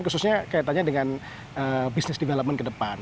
khususnya kaitannya dengan business development ke depan